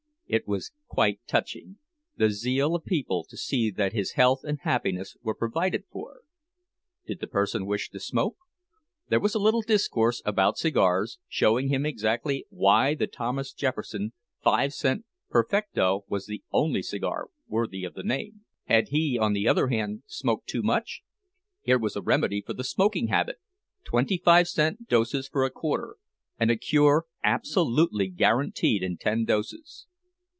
It was quite touching, the zeal of people to see that his health and happiness were provided for. Did the person wish to smoke? There was a little discourse about cigars, showing him exactly why the Thomas Jefferson Five cent Perfecto was the only cigar worthy of the name. Had he, on the other hand, smoked too much? Here was a remedy for the smoking habit, twenty five doses for a quarter, and a cure absolutely guaranteed in ten doses.